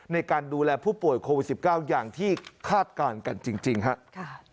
ในการดูแลผู้ป่วยโควิด๑๙อย่างที่คาดการณ์กันจริงครับ